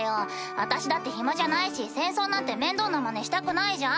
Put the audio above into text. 私だって暇じゃないし戦争なんて面倒なまねしたくないじゃん？